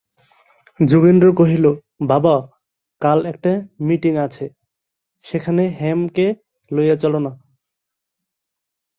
যোগেন্দ্র কহিল, বাবা, কাল একটা মিটিঙ আছে, সেখানে হেমকে লইয়া চলো-না।